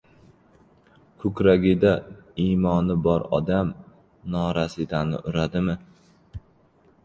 Ko‘kragida Imoni bor odam norasidani uradimi?